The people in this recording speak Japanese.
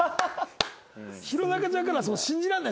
弘中ちゃんからは信じられない？